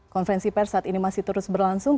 konferensi pers saat ini masih terus berlangsung